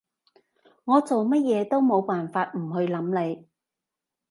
我做咩嘢都冇辦法唔去諗你